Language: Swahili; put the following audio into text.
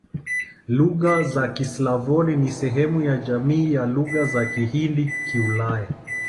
Lugha za Kislavoni ni sehemu ya jamii ya Lugha za Kihindi-Kiulaya.